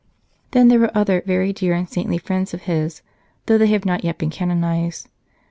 Then, there were other very dear and saintly friends of his, though they have not yet been canonized.